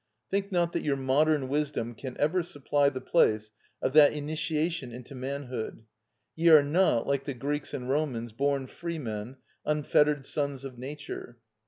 Think not that your modern wisdom can ever supply the place of that initiation into manhood; ye are not, like the Greeks and Romans, born freemen, unfettered sons of nature.